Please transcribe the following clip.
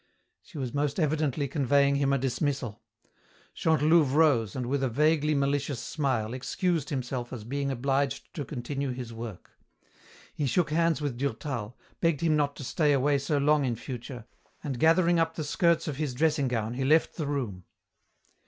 She was most evidently conveying him a dismissal. Chantelouve rose and, with a vaguely malicious smile, excused himself as being obliged to continue his work. He shook hands with Durtal, begged him not to stay away so long in future, and gathering up the skirts of his dressing gown he left the room.